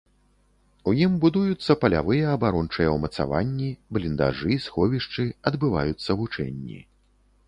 У ім будуюцца палявыя абарончыя ўмацаванні, бліндажы, сховішчы, адбываюцца вучэнні.